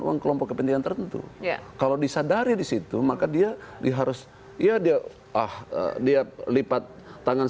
uang kelompok kepentingan tertentu kalau disadari disitu maka dia diharus ya dia ah dia lipat tangan